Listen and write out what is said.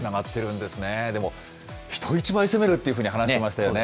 でも、人一倍攻めるっていうふうに話していましたよね。